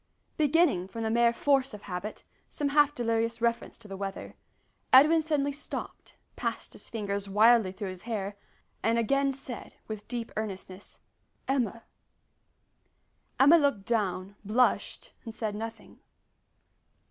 Beginning, from the mere force of habit, some half delirious reference to the weather, Edwin suddenly stopped, passed his fingers wildly through his hair, and again said, with deep earnestness, "Emma." Emma looked down, blushed, and said nothing.